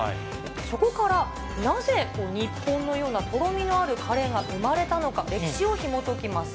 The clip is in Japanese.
そこから、なぜ日本のようなとろみのあるカレーが生まれたのか、歴史をひもときます。